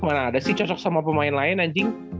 mana ada sih cocok sama pemain lain anjing